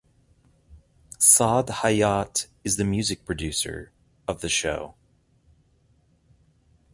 Saad Hayat is the music producer of the show.